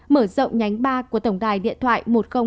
mở rộng nhánh ba của tổng đài điện thoại một nghìn hai mươi hai